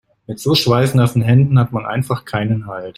Mit so schweißnassen Händen hat man einfach keinen Halt.